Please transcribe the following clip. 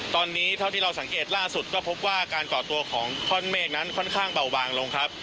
ตอนนี้เท่าที่เราสังเกตล่าสุดก็พบว่าการก่อตัวของท่อนเมฆนั้นค่อนข้างเบาบางลงครับ